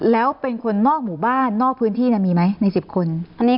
แล้วเป็นคนนอกหมู่บ้านนอกพื้นที่มีไหมใน๑๐คน